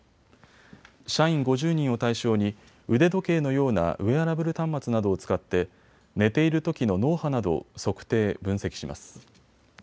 社員５０人を対象に腕時計のようなウエアラブル端末などを使って寝ているときの脳波などを測定・分析します。